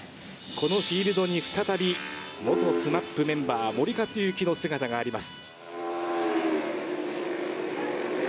このフィールドに再び、元ＳＭＡＰメンバー、森且行の姿があります。